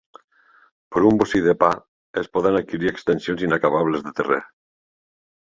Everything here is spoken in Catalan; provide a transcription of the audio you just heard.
Per un bossí de pa es poden adquirir extensions inacabables de terrer.